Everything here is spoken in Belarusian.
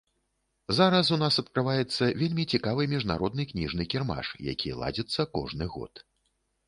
Зараз у нас адкрываецца вельмі цікавы міжнародны кніжны кірмаш, які ладзіцца кожны год.